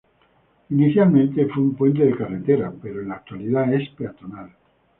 Inicialmente fue un puente de carretera, pero en la actualidad es peatonal.